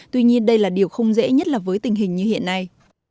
tuy nhiên đây là điều không dễ nhất là với tình hình như hiện nay